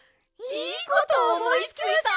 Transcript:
いいことおもいついた！